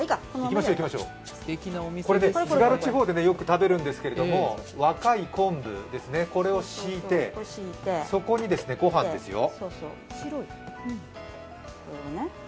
津軽地方でよく食べるんですけれども、若い昆布を敷いてそこにご飯ですよ。